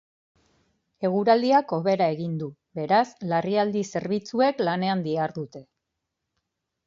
Eguraldiak hobera egin du, beraz, larrialdi zerbitzuek lanean dihardute.